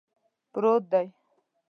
پروت دی